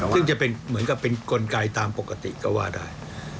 ซึ่งจะเป็นเหมือนกับเป็นกลไกตามปกติก็ว่าได้